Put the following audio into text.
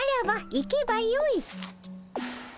行けばよい？